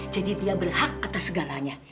jadi dia berhak atas segalanya